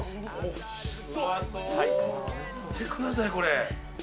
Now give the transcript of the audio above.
見てください、これ。